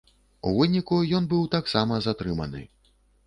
У выніку, ён быў таксама затрыманы.